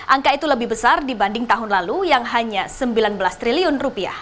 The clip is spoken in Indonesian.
angka itu lebih besar dibanding tahun lalu yang hanya rp sembilan belas triliun